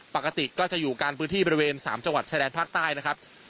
ปกติก็จะอยู่กันพื้นที่บริเวณ๓จังหวัดชายแดนภาคใต้นะครับ